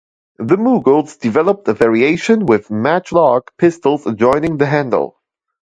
The Mughals developed a variation with matchlock pistols adjoining the handle.